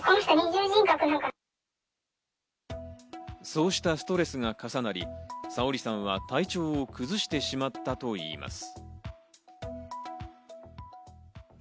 そうしたストレスが重なり、さおりさんは体調を崩してしまったといいます。